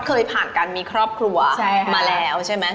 เคยผ่านการมีครอบครัวมาแล้วใช่ไหม